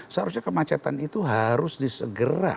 seharusnya kemacetan itu harus disegera